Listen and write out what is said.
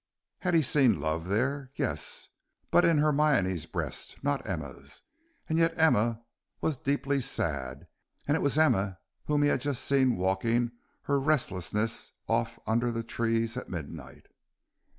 Had he seen love there? Yes, but in Hermione's breast, not Emma's. And yet Emma was deeply sad, and it was Emma whom he had just seen walking her restlessness off under the trees at midnight.